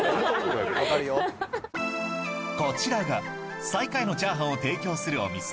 こちらが最下位のチャーハンを提供するお店